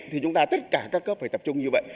thì chúng ta tất cả các cấp phải tập trung như vậy